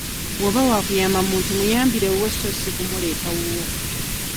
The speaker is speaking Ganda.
Bwo'ba wakuyamba muntu muyambire wuwe so si kumuleeta wuwo.